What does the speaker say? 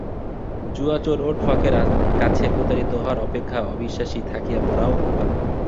জুয়াচোর ও ঠকের কাছে প্রতারিত হওয়া অপেক্ষা অবিশ্বাসী থাকিয়া মরাও ভাল।